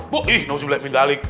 bu ih nausibleh pindalik